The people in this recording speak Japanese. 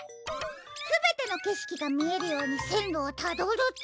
すべてのけしきがみえるようにせんろをたどると。